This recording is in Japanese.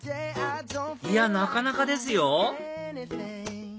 いやなかなかですよ！